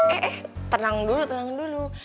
eh tenang dulu tenang dulu